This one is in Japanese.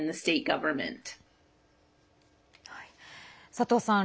佐藤さん